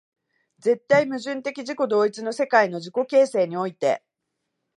絶対矛盾的自己同一の世界の自己形成において、